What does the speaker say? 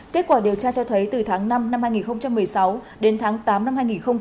kết quả điều tra cho thấy từ tháng năm năm hai nghìn một mươi sáu đến tháng tám năm hai nghìn một mươi chín